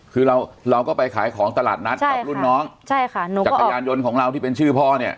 คือเราเราก็ไปขายของตลาดนัดกับรุ่นน้องใช่ค่ะจักรยานยนต์ของเราที่เป็นชื่อพ่อเนี่ย